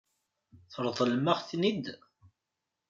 Tṛeḍlem-aɣ-ten-id?